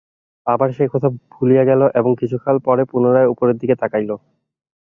আবার সে এ-কথা ভুলিয়া গেল এবং কিছুকাল পরে পুনরায় উপরের দিকে তাকাইল।